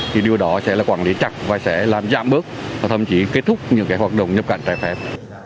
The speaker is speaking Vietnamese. thì điều đó sẽ là quản lý chặt và sẽ làm giảm bớt và thậm chí kết thúc những cái hoạt động nhập cảnh trai phép